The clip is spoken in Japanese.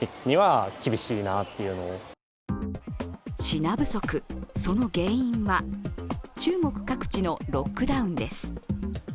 品不足、その原因は中国各地のロックダウンです。